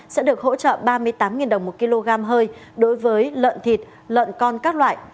sẽ được hỗ trợ ba mươi tám đồng một kg hơi đối với lợn thịt lợn con các loại